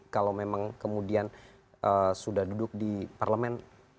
kalau memang kemudian sudah duduk di parlemen